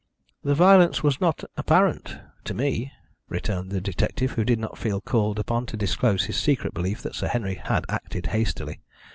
"The violence was not apparent to me," returned the detective, who did not feel called upon to disclose his secret belief that Sir Henry had acted hastily.